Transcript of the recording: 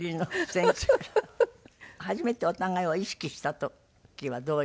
初めてお互いを意識した時はどういう？